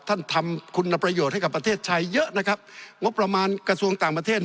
ท่านทำคุณประโยชน์ให้กับประเทศไทยเยอะนะครับงบประมาณกระทรวงต่างประเทศ